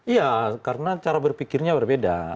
iya karena cara berpikirnya berbeda